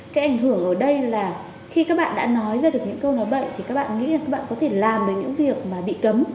cái ảnh hưởng ở đây là khi các bạn đã nói ra được những câu nói vậy thì các bạn nghĩ là các bạn có thể làm được những việc mà bị cấm